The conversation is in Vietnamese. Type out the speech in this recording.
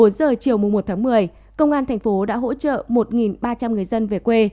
một mươi bốn h chiều một một mươi công an thành phố đã hỗ trợ một ba trăm linh người dân về quê